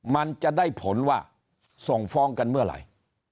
มันจะได้ผลว่าส่งฟ้องกันเมื่อไหร่